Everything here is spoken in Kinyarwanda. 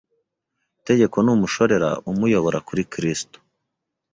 Itegeko ni umushorera umuyobora kuri Kristo.